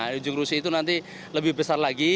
ujung rusi itu nanti lebih besar lagi